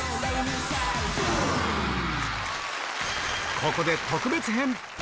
ここで特別編。